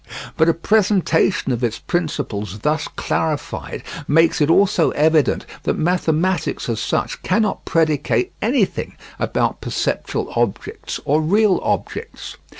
But a presentation of its principles thus clarified makes it also evident that mathematics as such cannot predicate anything about perceptual objects or real objects.